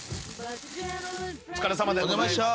お疲れさまでした。